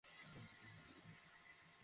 শুনেছি তুমি ফিরে এসেছ, কিন্তু কীভাবে?